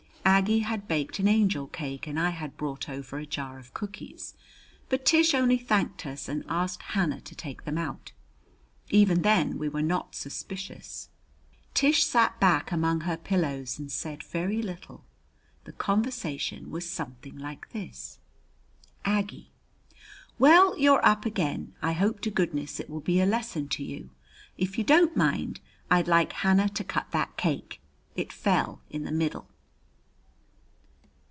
Aggie had baked an angel cake and I had brought over a jar of cookies. But Tish only thanked us and asked Hannah to take them out. Even then we were not suspicious. Tish sat back among her pillows and said very little. The conversation was something like this: Aggie: Well, you're up again: I hope to goodness it will be a lesson to you. If you don't mind, I'd like Hannah to cut that cake. It fell in the middle.